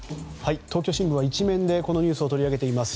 東京新聞は１面でこのニュースを取り上げています。